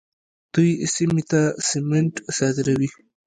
دوی سیمې ته سمنټ صادروي.